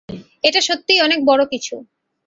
এটা সত্যিই অনেক বড় কিছু।